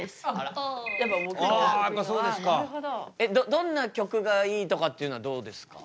どんな曲がいいとかっていうのはどうですか？